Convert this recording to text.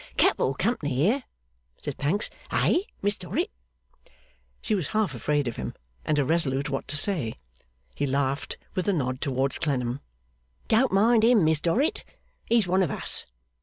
'Capital company here,' said Pancks. 'Eh, Miss Dorrit?' She was half afraid of him, and irresolute what to say. He laughed, with a nod towards Clennam. 'Don't mind him, Miss Dorrit. He's one of us.